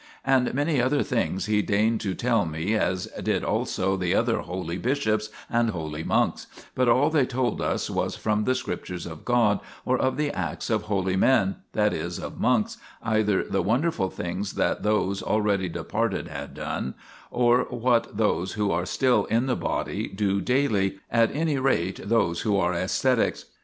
And many other things he deigned to tell me, as did also the other holy bishops and holy monks, but all they told us was from the Scriptures of God or of the acts of holy men, that is of monks, either the wonderful things that those already departed had done, or what those who are still in the body do daily, at any rate those who are ascetics.